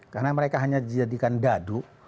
karena mereka hanya dijadikan dadu